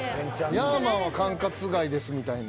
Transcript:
「ヤーマン」は管轄外ですみたいな。